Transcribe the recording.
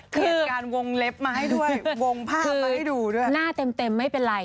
คือการวงเล็บมาให้ด้วยวงผ้ามาให้ดูด้วยคือหน้าเต็มเต็มไม่เป็นไร